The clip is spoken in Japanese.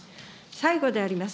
最後であります。